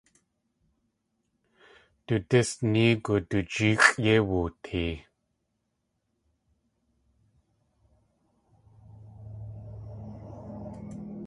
Du dís néegu du jeexʼ yéi wootee.